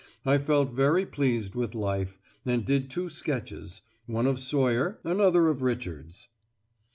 I felt very pleased with life, and did two sketches, one of Sawyer, another of Richards....